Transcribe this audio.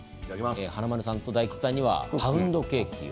華丸さんと大吉さんにはパウンドケーキを。